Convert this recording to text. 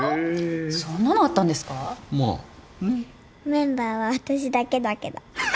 メンバーは私だけだけど。